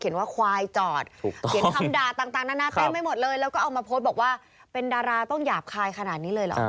ว่าควายจอดเขียนคำด่าต่างนานาเต็มไปหมดเลยแล้วก็เอามาโพสต์บอกว่าเป็นดาราต้องหยาบคายขนาดนี้เลยเหรอ